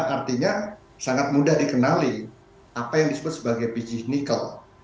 artinya sangat mudah dikenali apa yang disebut sebagai biji nikel